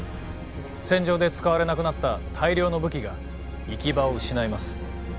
戦場で使われなくなった大量の武器が行き場を失います。